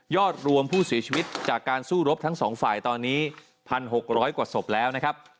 รวมผู้เสียชีวิตจากการสู้รบทั้งสองฝ่ายตอนนี้๑๖๐๐กว่าศพแล้วนะครับ